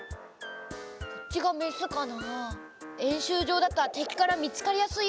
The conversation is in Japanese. こっちがメスかな？